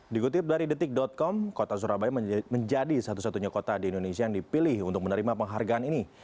dikutip dari detik com kota surabaya menjadi satu satunya kota di indonesia yang dipilih untuk menerima penghargaan ini